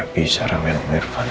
aku tidak bisa ramai ramai dengan irfan